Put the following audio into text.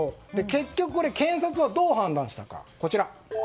結局、検察はどう判断したか。